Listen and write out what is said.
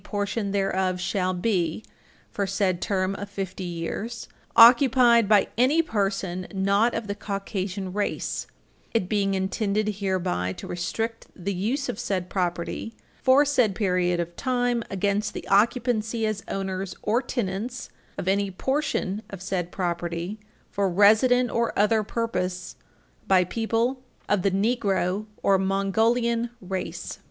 5 portion thereof shall be, for said term of Fifty years, occupied by any person not of the Caucasian race, it being intended hereby to restrict the use of said property for said period of time against the occupancy as owners or tenants of any portion of said property for resident or other purpose by people of the Negro or Mongolian Race."